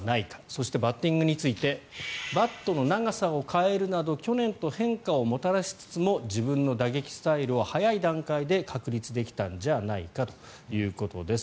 そして、バッティングについてバットの長さを変えるなど去年と変化をもたらしつつも自分の打撃スタイルを早い段階で確立できたんじゃないかということです。